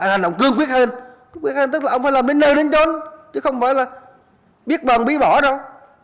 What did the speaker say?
hành động cương quyết hơn cương quyết hơn tức là ông phải làm đến nơi đến chỗ chứ không phải là biết bằng biết bỏ đâu